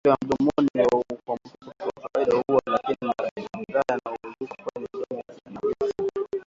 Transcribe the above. Upele wa mdomoni wa kuambukizana kwa kawaida hauui lakini majeraha yanayozuka kwenye mdomo yanaweza